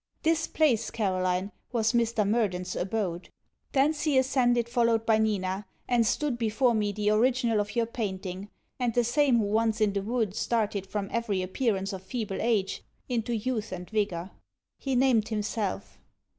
This place, Caroline, was Mr. Murden's abode. Thence he ascended followed by Nina, and stood before me the original of your painting, and the same who once in the wood started from every appearance of feeble age into youth and vigour. He named himself.